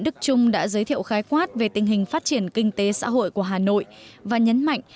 đức trung đã giới thiệu khái quát về tình hình phát triển kinh tế xã hội của hà nội và nhấn mạnh